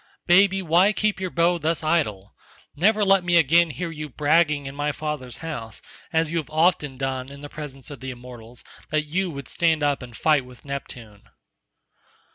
Baby, why keep your bow thus idle? Never let me again hear you bragging in my father's house, as you have often done in the presence of the immortals, that you would stand up and fight with Neptune."